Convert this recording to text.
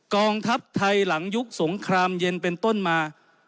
กองทัพไทยหลังยุคสงครามเย็นเป็นต้นมา